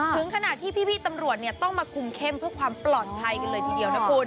ถึงขนาดที่พี่ตำรวจต้องมาคุมเข้มเพื่อความปลอดภัยกันเลยทีเดียวนะคุณ